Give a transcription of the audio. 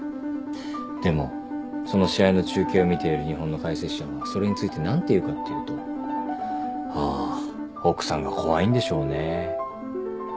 でもその試合の中継を見ている日本の解説者がそれについて何て言うかっていうと「ああ奥さんが怖いんでしょうねぇ」